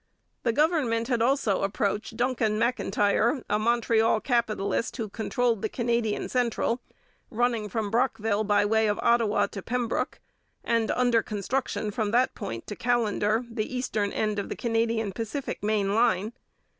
The government had also approached Duncan M'Intyre, a Montreal capitalist who controlled the Canada Central, running from Brockville by way of Ottawa to Pembroke, and under construction from that point to Callender, the eastern end of the Canadian Pacific main line.